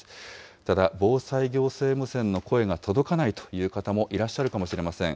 ただ、防災行政無線の声が届かないという方もいらっしゃるかもしれません。